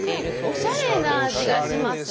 おしゃれな味がします。